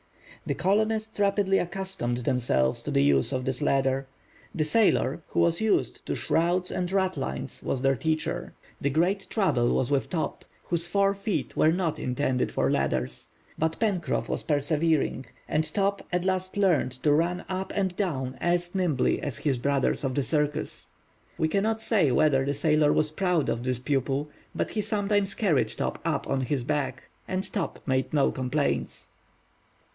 The colonists rapidly accustomed themselves to the use of this ladder. The sailor, who was used to shrouds and ratlines, was their teacher. The great trouble was with Top, whose four feet were not intended for ladders. But Pencroff was persevering, and Top at last learned to run up and down as nimbly as his brothers of the circus. We cannot say whether the sailor was proud of this pupil, but he sometimes carried Top up on his back, and Top made no complaints.